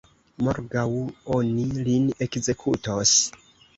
Morgaŭ oni lin ekzekutos.